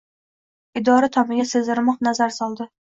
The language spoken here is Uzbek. Idora tomiga serdimoq nazar soldi.